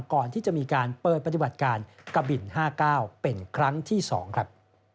ก่อนที่จะมีการเปิดปฏิบัติการกะบิน๕๙เป็นครั้งที่๒ครับ